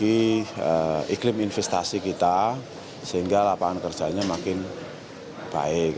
bagi iklim investasi kita sehingga lapangan kerjanya makin baik